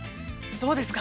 ◆どうですか？